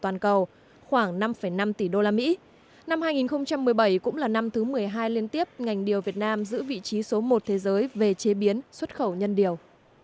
năm hai nghìn một mươi bảy cũng là năm thứ một mươi hai liên tiếp ngành điều việt nam giữ vị trí số một thế giới về chế biến xuất khẩu nhân điều